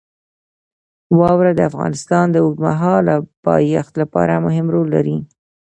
واوره د افغانستان د اوږدمهاله پایښت لپاره مهم رول لري.